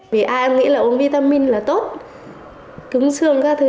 vì ai nghĩ là uống vitamin là tốt cứng xương các thứ